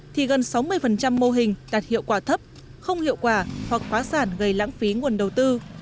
thì gần sáu mươi mô hình đạt hiệu quả thấp không hiệu quả hoặc phá sản gây lãng phí nguồn đầu tư